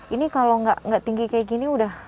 ini kalau nggak tinggi kayak gini udah